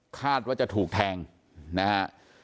คาดว่าจะถูกแทงนะฮะ